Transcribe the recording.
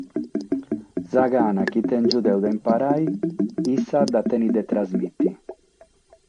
Sa gana chi tèngio deo de imparare issa dda tenet de trasmìtere.